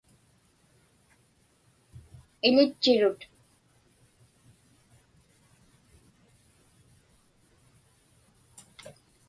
Iḷitchirut.